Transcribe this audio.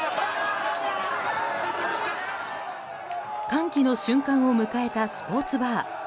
歓喜の瞬間を迎えたスポーツバー。